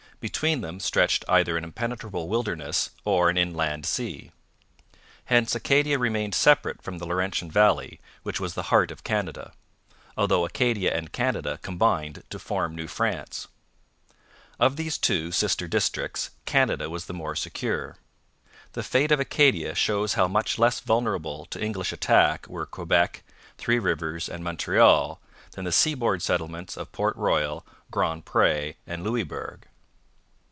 Between them stretched either an impenetrable wilderness or an inland sea. Hence Acadia remained separate from the Laurentian valley, which was the heart of Canada although Acadia and Canada combined to form New France. Of these two sister districts Canada was the more secure. The fate of Acadia shows how much less vulnerable to English attack were Quebec, Three Rivers, and Montreal than the seaboard settlements of Port Royal, Grand Pre, and Louisbourg.